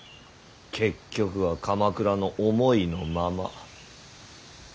結局は鎌倉の思いのまま。